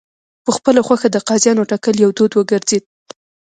په خپله خوښه د قاضیانو ټاکل یو دود وګرځېد.